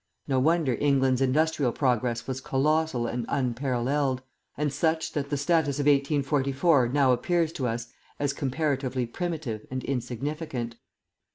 No wonder England's industrial progress was colossal and unparalleled, and such that the status of 1844 now appears to us as comparatively primitive and insignificant.